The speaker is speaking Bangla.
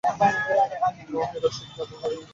ওহে রসিকদা, ভুল কর নি তো?